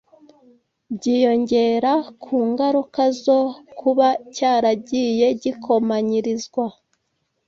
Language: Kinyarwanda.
byiyongera ku ngaruka zo kuba cyaragiye gikomanyirizwa